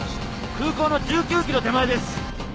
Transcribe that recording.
空港の１９ｋｍ手前です。